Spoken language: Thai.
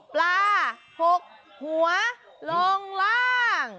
ปลา๖หัวลงล่าง